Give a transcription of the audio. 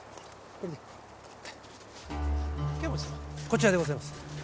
こちらでございます。